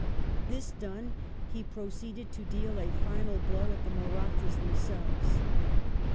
This done, he proceeded to deal a final blow at the Marathas Third Ma themselves.